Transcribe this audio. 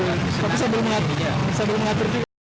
tapi saya belum mengatur juga